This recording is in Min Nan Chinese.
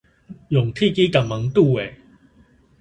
用鐵枝共門拄咧